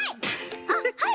あっはい！